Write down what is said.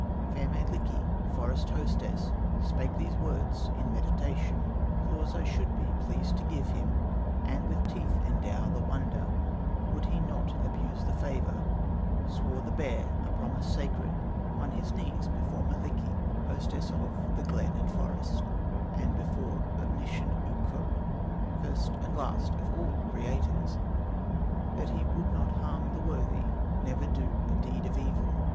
Fair Mielikki, forest hostess, Spake these words in meditation: 'Claws I should be pleased to give him, And with teeth endow the wonder, Would he not abuse the favor.' "Swore the bear a promise sacred, On his knees before Mielikki, Hostess of the glen and forest, And before omniscient Ukko, First and last of all creators, That he would not harm the worthy, Never do a deed of evil.